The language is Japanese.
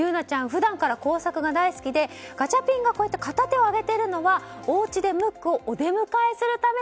普段から工作が大好きでガチャピンがこうやって片手を上げているのはお家でムックをお出迎えするため